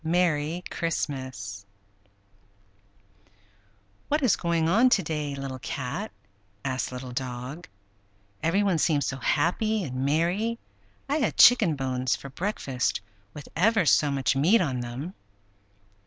MERRY CHRISTMAS "What is going on to day, Little Cat?" asked Little Dog. "Every one seems so happy and merry. I had chicken bones for breakfast, with ever so much meat on them!"